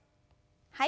はい。